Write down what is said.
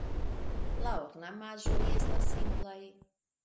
La ornamaĵoj estas simplaj.